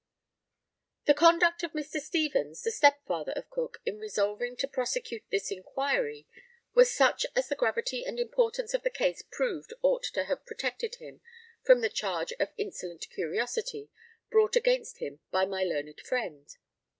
] The conduct of Mr. Stevens, the stepfather of Cook, in resolving to prosecute this inquiry, was such as the gravity and importance of the case proved ought to have protected him from the charge of insolent curiosity brought against him by my learned friend.